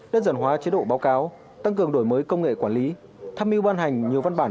đơn giản hóa chế độ báo cáo tăng cường đổi mới công nghệ quản lý tham mưu ban hành nhiều văn bản